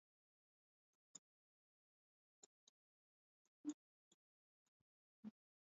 Na pia lazima angeambiwa kuwa Jacob alifika nyumbani kwa mzee Ruhala